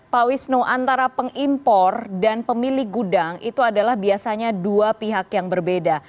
pak wisnu antara pengimpor dan pemilik gudang itu adalah biasanya dua pihak yang berbeda